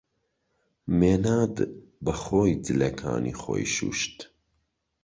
مێناد بەخۆی جلەکانی خۆی شووشت.